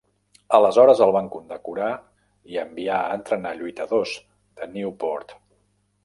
Aleshores el van condecorar i enviar a entrenar lluitadors de Nieuport.